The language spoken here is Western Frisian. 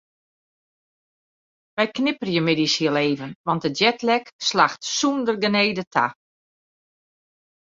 Wy knipperje middeis hiel even want de jetlag slacht sûnder genede ta.